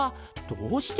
どうして？